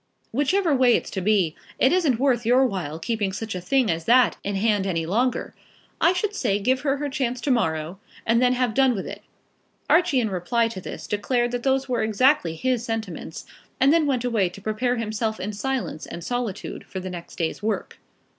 Whichever way it's to be, it isn't worth your while keeping such a thing as that in hand any longer. I should say give her her chance to morrow, and then have done with it." Archie in reply to this declared that those were exactly his sentiments, and then went away to prepare himself in silence and solitude for the next day's work.